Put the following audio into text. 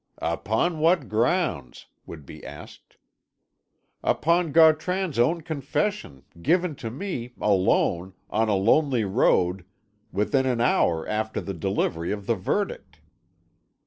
"Upon what grounds?" would be asked. "Upon Gautran's own confession, given to me, alone, on a lonely road, within an hour after the delivery of the verdict."